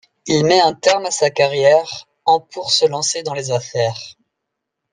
Il met un terme à sa carrière en pour se lancer dans les affaires.